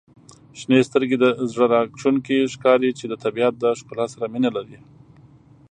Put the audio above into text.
• شنې سترګي زړه راښکونکي ښکاري چې د طبیعت د ښکلا سره مینه لري.